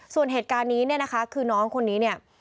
ส่วนเหตุการณ์นี้เนี่ยนะคะคือน้องคนนี้เนี่ย